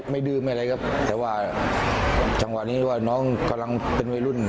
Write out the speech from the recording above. ดื่มไม่อะไรครับแต่ว่าจังหวะนี้ว่าน้องกำลังเป็นวัยรุ่น